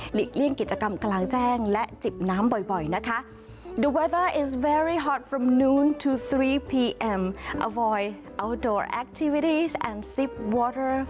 เลี่ยงกิจกรรมกลางแจ้งและจิบน้ำบ่อยนะคะ